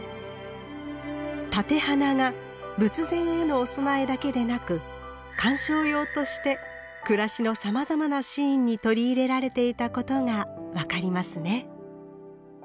立て花が仏前へのお供えだけでなく鑑賞用として暮らしのさまざまなシーンに取り入れられていたことが分かりますね。